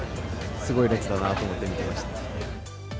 すごい列だなと思って見ていました。